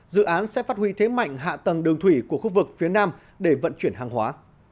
dự án sẽ phát huy thế mạnh hạ tầng đường thủy của khu vực phía nam để vận chuyển hàng hóa